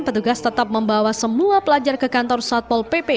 petugas tetap membawa semua pelajar ke kantor satpol pp